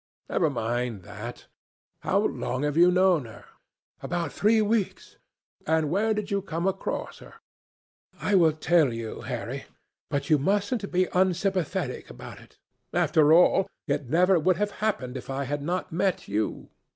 "Never mind that. How long have you known her?" "About three weeks." "And where did you come across her?" "I will tell you, Harry, but you mustn't be unsympathetic about it. After all, it never would have happened if I had not met you.